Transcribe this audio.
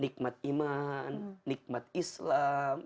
nikmat iman nikmat islam